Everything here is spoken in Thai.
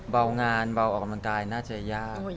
เบางานเบาออกกำลังกายน่าจะยาก